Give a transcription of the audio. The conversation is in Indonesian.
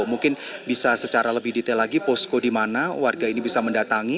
mungkin bisa secara lebih detail lagi posko di mana warga ini bisa mendatangi